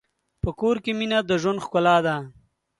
په کور کې مینه د ژوند ښکلا ده.